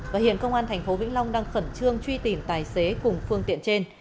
và hiện công an thành phố vĩnh long đang khẩn trương truy tìm tài xế cùng phương tiện trên